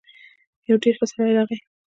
يو ډېر ښه سړی راغی.